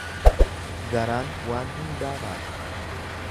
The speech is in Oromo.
Garaan waan hundaa baata.